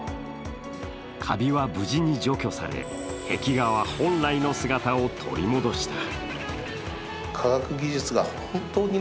かびは無事に除去され壁画は本来の姿を取り戻した。